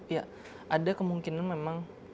ya ada kemungkinan memang